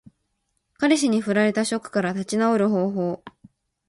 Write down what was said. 彼氏に振られたショックから立ち直る方法。